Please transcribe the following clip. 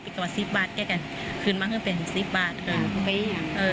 ปีกะว่าสิบบาทแกกะคืนมาเพื่อเป็นสิบบาทคือเออ